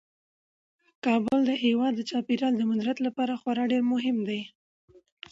کابل د هیواد د چاپیریال د مدیریت لپاره خورا ډیر مهم دی.